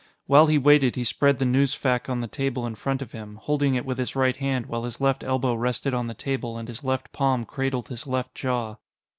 While he waited, he spread the newsfac on the table in front of him, holding it with his right hand while his left elbow rested on the table and his left palm cradled his left jaw.